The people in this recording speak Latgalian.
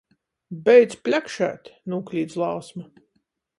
"Beidz pļakšēt!" nūklīdz Lāsma.